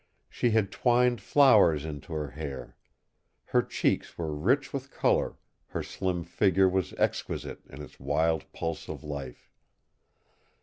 She had twined flowers into her hair. Her cheeks were rich with color. Her slim figure was exquisite in its wild pulse of life.